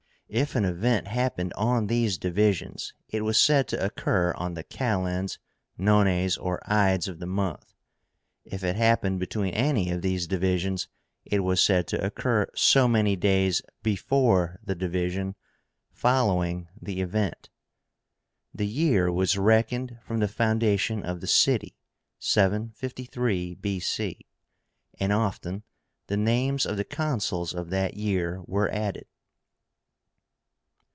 If an event happened on these divisions, it was said to occur on the Kalends, Nones, or Ides of the month. If it happened between any of these divisions, it was said to occur so many days before the division following the event. The year was reckoned from the foundation of the city (753 B.C.), and often the names of the Consuls of that year were added.